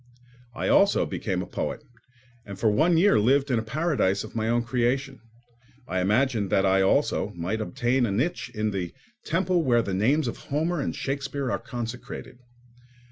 I also became a poet and for one year lived in a paradise of my own creation; I imagined that I also might obtain a niche in the temple where the names of Homer and Shakespeare are consecrated.